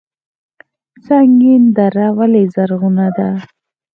سنګین دره ولې زرغونه ده؟